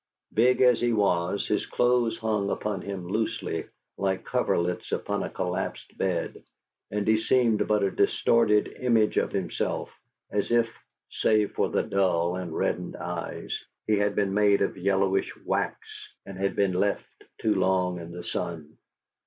Big as he was, his clothes hung upon him loosely, like coverlets upon a collapsed bed; and he seemed but a distorted image of himself, as if (save for the dull and reddened eyes) he had been made of yellowish wax and had been left too long in the sun.